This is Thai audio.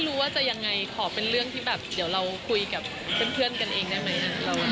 รู้ว่าจะยังไงขอเป็นเรื่องที่แบบเดี๋ยวเราคุยกับเพื่อนกันเองได้ไหม